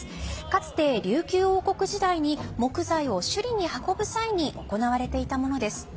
かつて、琉球王国時代に木材を首里に運ぶ際に行われていたものです。